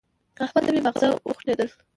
احمد ته مې ماغزه وخوټېدل.